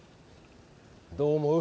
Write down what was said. どう思う？